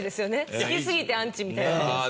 好きすぎてアンチみたいな。